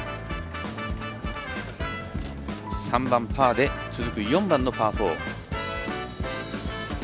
３番、パーで続く４番のパー４。